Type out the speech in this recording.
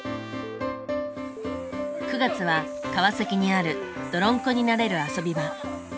９月は川崎にあるどろんこになれる遊び場。